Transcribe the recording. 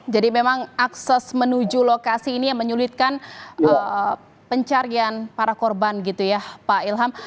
jadi memang akses menuju lokasi ini yang menyulitkan pencarian para korban gitu ya pak ilham